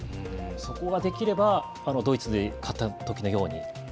そこができればドイツで勝った時のように。